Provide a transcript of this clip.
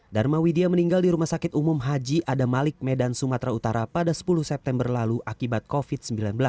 dharma widia meninggal di rumah sakit umum haji adamalik medan sumatera utara pada sepuluh september lalu akibat covid sembilan belas